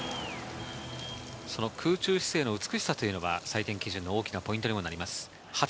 その空中姿勢の美しさというのが、採点基準の大きなポイントになります。